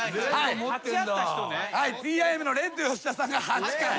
ＴＩＭのレッド吉田さんが８回。